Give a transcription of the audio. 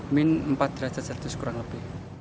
min empat derajat celcius kurang lebih